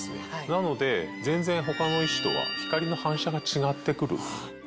なので全然他の石とは光の反射が違って来る。